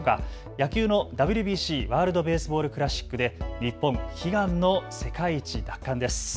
野球のＷＢＣ・ワールド・ベースボール・クラシックで日本、悲願の世界一奪還です。